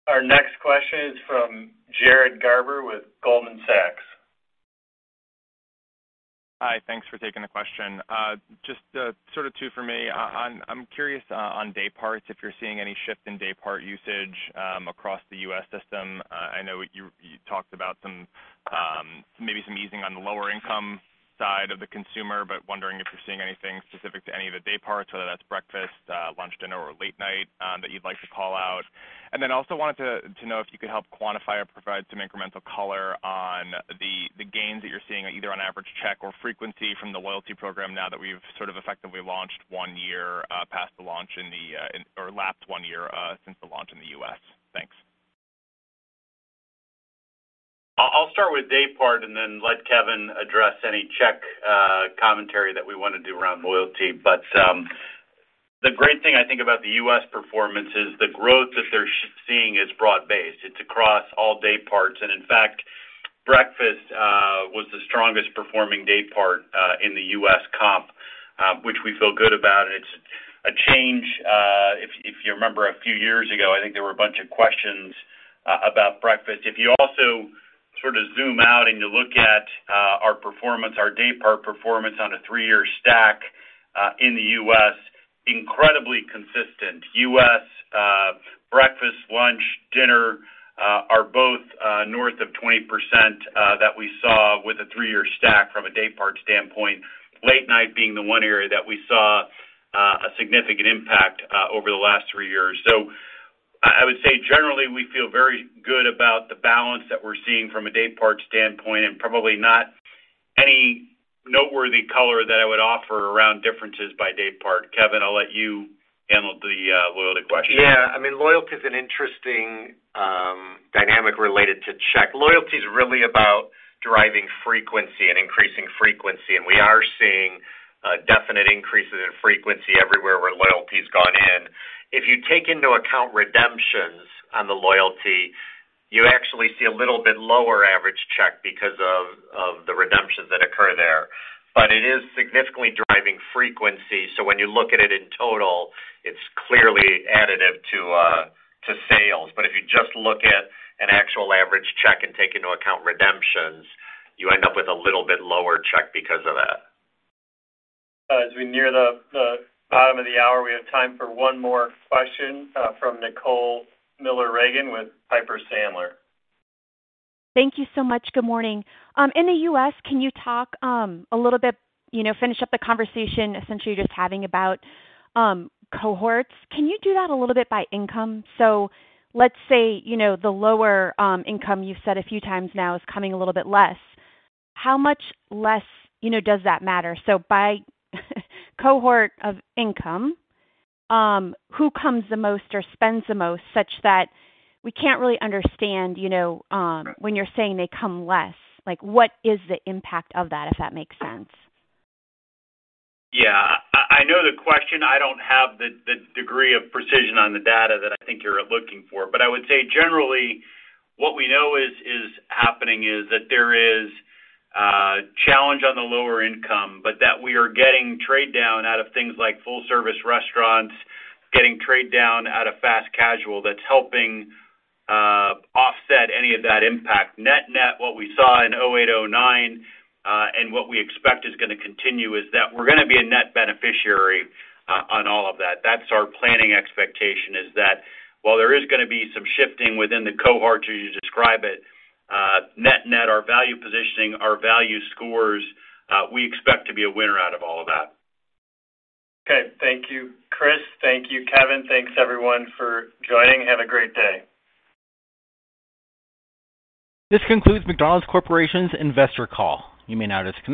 Our next question is from Jared Garber with Goldman Sachs. Hi. Thanks for taking the question. Just sort of two for me. I'm curious on day parts if you're seeing any shift in day part usage across the U.S. system. I know you talked about some, maybe some easing on the lower income side of the consumer, but wondering if you're seeing anything specific to any of the day parts, whether that's breakfast, lunch, dinner, or late night, that you'd like to call out. Also wanted to know if you could help quantify or provide some incremental color on the gains that you're seeing either on average check or frequency from the loyalty program now that we've sort of effectively lapsed one year since the launch in the U.S. Thanks. I'll start with day part and then let Kevin address any tech commentary that we wanna do around loyalty. The great thing I think about the U.S. performance is the growth that they're seeing is broad-based. It's across all day parts. In fact, breakfast was the strongest performing day part in the U.S. comp, which we feel good about. It's a change. If you remember a few years ago, I think there were a bunch of questions about breakfast. If you also sorta zoom out and you look at our performance, our day part performance on a 3-year stack in the U.S., incredibly consistent. U.S., breakfast, lunch, dinner are both north of 20% that we saw with a 3-year stack from a day part standpoint, late night being the one area that we saw a significant impact over the last 3 years. I would say generally, we feel very good about the balance that we're seeing from a day part standpoint, and probably not any noteworthy color that I would offer around differences by day part. Kevin, I'll let you handle the loyalty question. Yeah. I mean, loyalty is an interesting dynamic related to check. Loyalty is really about driving frequency and increasing frequency, and we are seeing definite increases in frequency everywhere where loyalty's gone in. If you take into account redemptions on the loyalty, you actually see a little bit lower average check because of the redemptions that occur there. But it is significantly driving frequency, so when you look at it in total, it's clearly additive to sales. But if you just look at an actual average check and take into account redemptions, you end up with a little bit lower check because of that. As we near the bottom of the hour, we have time for one more question from Nicole Miller Regan with Piper Sandler. Thank you so much. Good morning. In the U.S., can you talk, a little bit, you know, finish up the conversation essentially just having about, cohorts. Can you do that a little bit by income? Let's say, you know, the lower, income you've said a few times now is coming a little bit less. How much less, you know, does that matter? By cohort of income, who comes the most or spends the most such that we can't really understand, you know, when you're saying they come less, like, what is the impact of that, if that makes sense? Yeah. I know the question. I don't have the degree of precision on the data that I think you're looking for. I would say generally what we know is happening is that there is challenge on the lower income, but that we are getting trade down out of things like full service restaurants, getting trade down out of fast casual that's helping offset any of that impact. Net-net, what we saw in 2008, 2009, and what we expect is gonna continue is that we're gonna be a net beneficiary on all of that. That's our planning expectation, is that while there is gonna be some shifting within the cohort you describe it, net-net, our value positioning, our value scores, we expect to be a winner out of all of that. Okay. Thank you, Chris. Thank you, Kevin. Thanks everyone for joining. Have a great day. This concludes McDonald's Corporation's investor call. You may now disconnect.